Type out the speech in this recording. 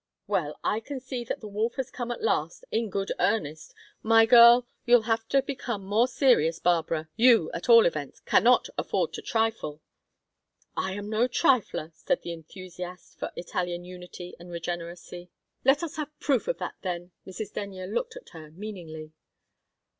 "Well, I can see that the wolf has come at last, in good earnest. My girl, you'll have to become more serious. Barbara, you at all events, cannot afford to trifle." "I am no trifler!" cried the enthusiast for Italian unity and regeneracy. "Let us have proof of that, then." Mrs. Denyer looked at her meaningly.